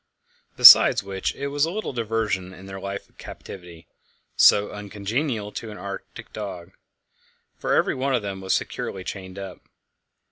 Besides which, it was a little diversion in their life of captivity, so uncongenial to an Arctic dog; for every one of them was securely chained up.